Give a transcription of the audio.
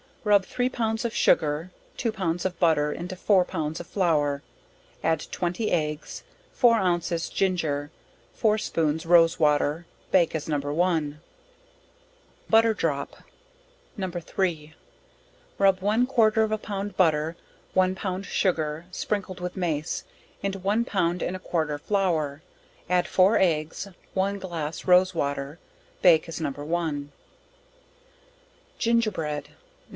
Rub three pounds of sugar, two pounds of butter, into four pounds of flour, add 20 eggs, 4 ounces ginger, 4 spoons rose water, bake as No. 1. Butter drop do. No. 3. Rub one quarter of a pound butter, one pound sugar, sprinkled with mace, into one pound and a quarter flour, add four eggs, one glass rose water, bake as No. 1. Gingerbread. No.